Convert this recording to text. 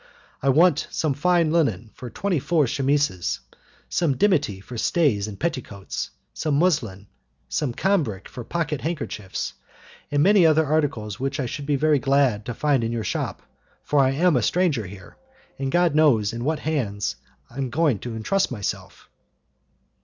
I want some fine linen for twenty four chemises, some dimity for stays and petticoats, some muslin, some cambric for pocket handkerchiefs, and many other articles which I should be very glad to find in your shop, for I am a stranger here, and God knows in what hands I am going to trust myself!"